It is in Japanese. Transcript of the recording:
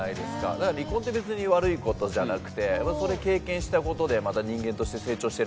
だから離婚って別に悪い事じゃなくてそれ経験した事でまた人間として成長してる部分とか。